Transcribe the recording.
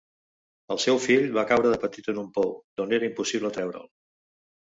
El seu fill va caure de petit en un pou, d'on era impossible treure'l.